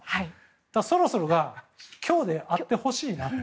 その、そろそろが今日であってほしいなと。